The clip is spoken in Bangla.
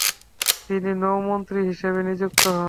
তিনি নৌমন্ত্রী হিসাবে নিযুক্ত হন।